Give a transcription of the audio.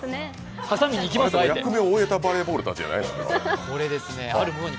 役目を終えたバレーボールたちじゃないんですか？